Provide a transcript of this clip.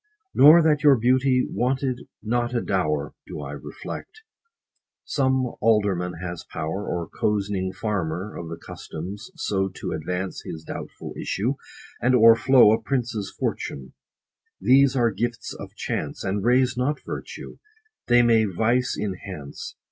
Nor that your beauty wanted not a dower, Do I reflect. Some alderman has power, Or cozening farmer of the customs, so 30 To advance his doubtful issue, and o'erflow A prince's fortune : these are gifts of chance, And raise not virtue ; they may vice enhance.